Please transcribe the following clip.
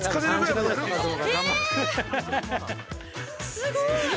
すごーい。